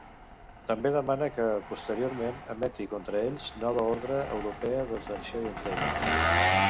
També demana que, posteriorment, emeti contra ells nova ordre europea de detenció i entrega.